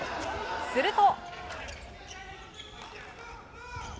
すると。